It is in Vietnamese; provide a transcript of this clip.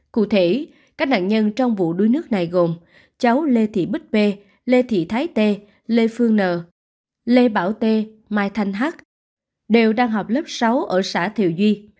cụ thể các nạn nhân trong vụ đuối nước này gồm cháu lê thị bích p lê thị thái tê lê phương nờ lê bảo tê mai thanh hát đều đang học lớp sáu ở xã thiều duy